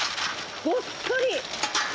ごっそり。